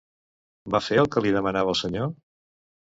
Va fer el que li demanava el senyor?